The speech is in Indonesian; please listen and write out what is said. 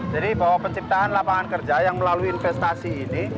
jadi bahwa penciptaan lapangan kerja yang melalui investasi ini